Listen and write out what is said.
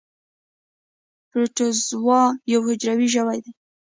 پروټوزوا یو حجروي ژوي دي